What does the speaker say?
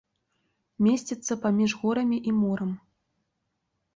Месціцца паміж горамі і морам.